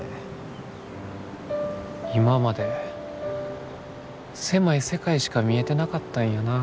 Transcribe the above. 今まで狭い世界しか見えてなかったんやな。